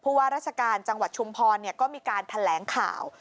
เพราะว่าราชการจังหวัดชุมพรเนี่ยก็มีการแถลงข่าว